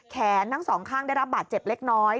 แขนทั้งสองข้างได้รับบาดเจ็บเล็กน้อย